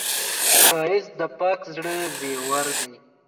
ښایست د پاک زړه زیور دی